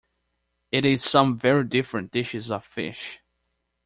It is some very different dishes of fish.